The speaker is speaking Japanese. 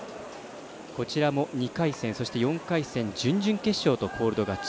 こちらも２回戦、そして４回戦準々決勝とコールド勝ち